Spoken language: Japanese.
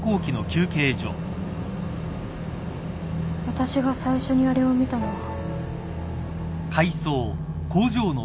私が最初にあれを見たのは。